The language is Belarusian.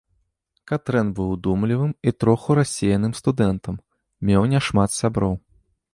Катрэн быў удумлівым і троху рассеяным студэнтам, меў не шмат сяброў.